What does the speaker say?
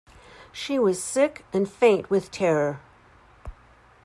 She was sick and faint with terror.